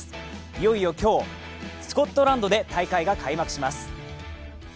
いよいよ今日、スコットランドで大会が開幕します。